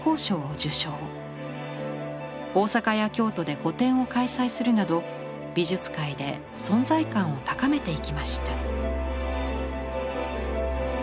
大阪や京都で個展を開催するなど美術界で存在感を高めていきました。